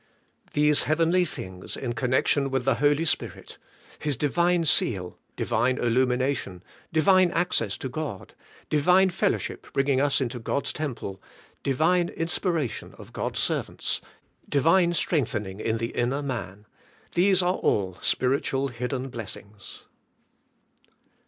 These heavenly things in connection with the Holy Spirit, His divine seal, divine illumination, divine access to God, divine fellowship bringing us into God's temple, divine inspiration of God's servants, divine strengthening in the inner man — these are all spiritual hidden blessings.